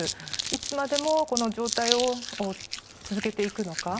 いつまでもこの状態を続けていくのか。